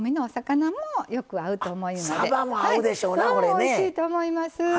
おいしいと思います。